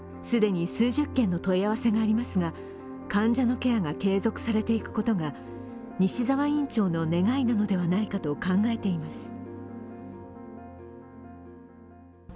既に数十件の問い合わせがありますが、患者のケアが継続されていくことが西澤院長の願いなのではないかと考えています。